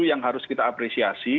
yang harus kita apresiasi